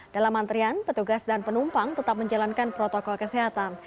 dalam antrian petugas dan penumpang tetap menjalankan protokol kesehatan